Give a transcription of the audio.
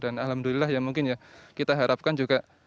dan alhamdulillah ya mungkin ya kita harapkan juga